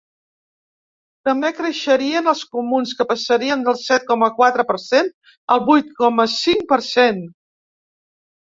També creixerien els comuns, que passarien del set coma quatre per cent al vuit coma cinc per cent.